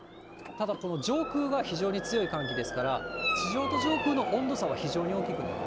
ただ、この上空は非常に強い寒気ですから、地上と上空の温度差は非常に大きくなる。